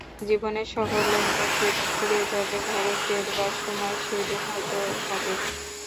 জীবনের সকল লেনদেন যেদিন ফুরিয়ে যাবে, ঘরে ফেরবার সময় সেদিন হয়তো হবে।